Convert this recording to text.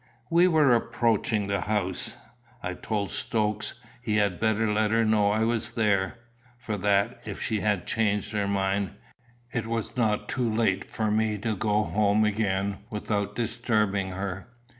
We were approaching the house. I told Stokes he had better let her know I was there; for that, if she had changed her mind, it was not too late for me to go home again without disturbing her.